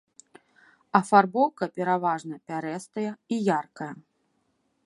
Афарбоўка пераважна пярэстая і яркая.